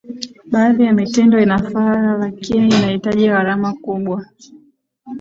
baadhi ya mitindo inafaa lakini inahitaji gharama kubwa